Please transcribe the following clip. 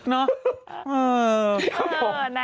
เนอะ